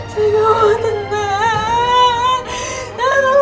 saya tidak mau tenang